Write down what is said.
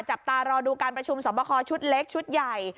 จับตารอดูการประชุมสอบคอชุดเล็กชุดใหญ่